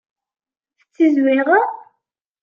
Tettizwiɣeḍ?